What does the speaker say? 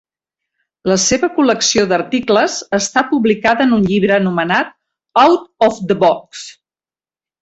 La seva col·lecció d'articles està publicada en un llibre anomenat Out of the Box.